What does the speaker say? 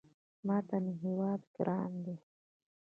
ماته مې هېواد ګران دی